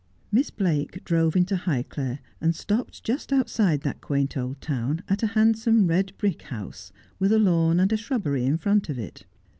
Miss Blake drove into Highclere, and stopped just outside that quaint old town at a handsome red brick house, with a lawn and shrubbery in front of it.